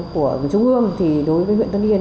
của người chung hương thì đối với huyện tân yên